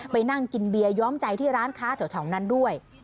ไปนั่งกินเบียร์ย้อมใจที่ร้านค้าแถวนั้นด้วย